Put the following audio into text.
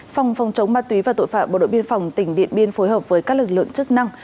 phòng phòng chống ma túy và tội phạm bộ đội biên phòng tỉnh điện biên phối hợp với các lực lượng chức năng